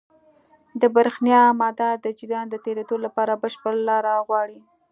د برېښنا مدار د جریان د تېرېدو لپاره بشپړ لاره غواړي.